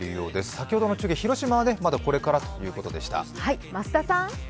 先ほどの中継、広島はまだこれからということでした。